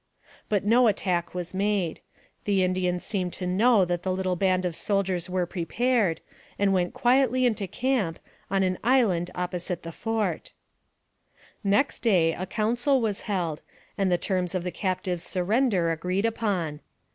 But no attack was made. The Indians seemed to know that the little band of soldiers were prepared, and went quietly into camp, on an island opposite the AMONG THE SIOUX INDIANS. 267 fort. Next day a council was held, and the terms of the captives surrender agreed upon.